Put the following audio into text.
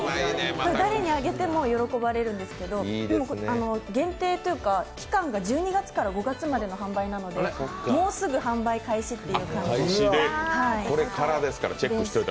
誰にあげても喜ばれるんですけど、限定というか、期間が１２月から５月までの販売なのでもうすぐ販売開始です。